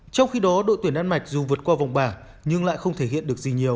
trong khi đó đội tuyển đan mạch dù vượt qua vòng bảng nhưng lại không thể hiện được gì nhiều